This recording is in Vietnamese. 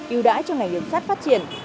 ưu đãi cho ngành đường sắt phát triển